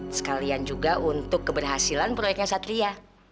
sekalian juga untuk keberhasilan proyeknya satria